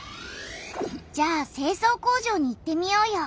じゃあ清掃工場に行ってみようよ。